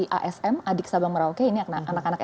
fsm adik sabang merauke ini anak anak